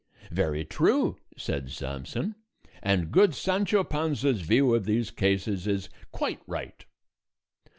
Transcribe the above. "Very true," said Samson, "and good Sancho Panza's view of these cases is quite right."